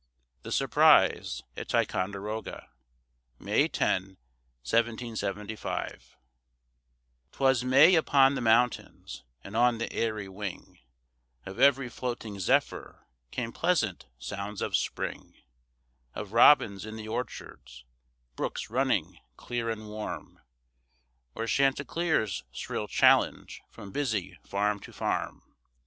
THE SURPRISE AT TICONDEROGA [May 10, 1775] 'Twas May upon the mountains, and on the airy wing Of every floating zephyr came pleasant sounds of spring, Of robins in the orchards, brooks running clear and warm, Or chanticleer's shrill challenge from busy farm to farm.